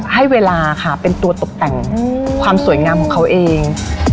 ให้เวลาค่ะเป็นตัวตกแต่งความสวยงามของเขาเอง